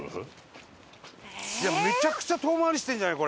めちゃくちゃ遠回りしてるんじゃない？